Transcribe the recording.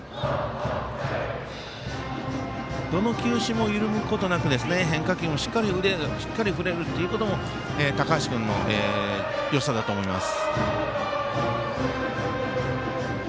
どの球種も緩むことなく変化球も、しっかり腕を振れるということも高橋君のよさだと思います。